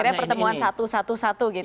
akhirnya pertemuan satu satu satu gitu ya